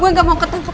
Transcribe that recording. gue gak mau ketangkap